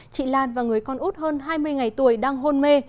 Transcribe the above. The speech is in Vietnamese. chị lan và người con út hơn hai mươi ngày tuổi đang hôn mê